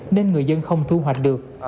nên người dân không thu hoạch được